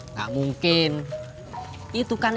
nanti iba in sifatnya